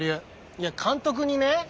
いや監督にね